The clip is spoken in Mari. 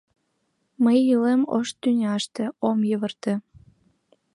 Мый илем ош тӱняште — ом йывырте